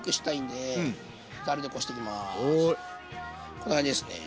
こんな感じですね。